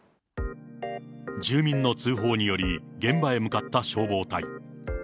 住民の通報により、現場へ向かった消防隊。